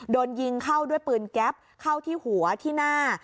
โดนยิงเข้าด้วยปืนแก๊ปเข้าที่หัวที่หน้า